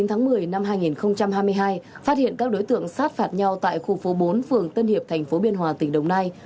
một mươi chín tháng một mươi năm hai nghìn hai mươi hai phát hiện các đối tượng sát phạt nhau tại khu phố bốn phường tân hiệp thành phố biên hòa tỉnh đồng nai